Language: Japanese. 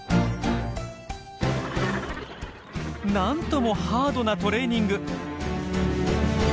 なんともハードなトレーニング。